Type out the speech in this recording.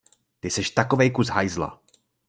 Ty seš takovej kus hajzla!